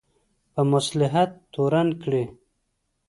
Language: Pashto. په مصلحت تورن کړي.